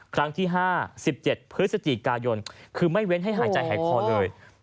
ครั้งที่๕๑๗พฤศจิกายนคือไม่เว้นให้หายใจหายคอเลย